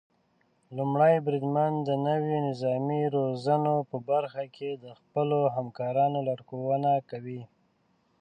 لومړی بریدمن د نويو نظامي روزنو په برخه کې د خپلو همکارانو لارښونه کوي.